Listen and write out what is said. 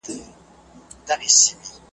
او را یاد مي د خپل زړه د میني اور کم .